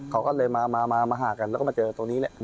เขาก็เลยมาหากันแล้วก็มาเจอตรงนี้แหละ